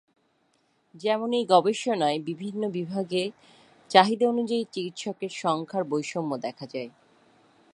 যেমন এই গবেষণায় বিভিন্ন বিভাগে চাহিদা অনুযায়ী চিকিৎসকের সংখ্যার বৈষম্য দেখা যায়।